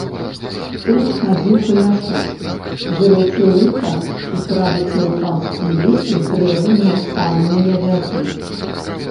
Тут хадзіў паляшук, дзеручы лыка і крадучы ў панскім лесе дрэва на санныя вязы.